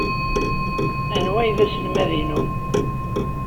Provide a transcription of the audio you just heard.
Anwa ay d aselmad-inu?